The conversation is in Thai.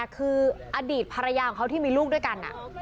คืออดีตภรรยาของเขาที่มีลูกด้วยกัน